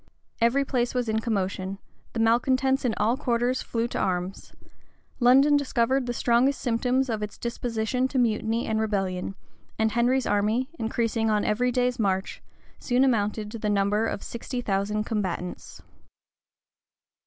Every place was in commotion: the malecontents in all quarters flew to arms: London discovered the strongest symptoms of its disposition to mutiny and rebellion: and Henry's army, increasing on every day's march, soon amounted to the number of sixty thousand combatants.